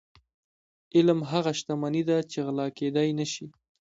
علم هغه شتمني ده چې غلا کیدی نشي.